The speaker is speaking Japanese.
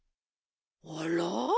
あら？